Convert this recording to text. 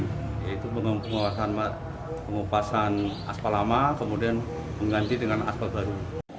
yaitu menguapkan asfal lama kemudian mengganti dengan asfal baru